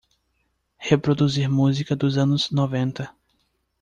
Reproduzir música dos anos noventa.